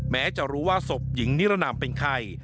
แม้จะรู้ว่าศพหญิงนิรนามเป็นใคร